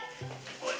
おい！